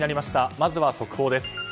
まずは速報です。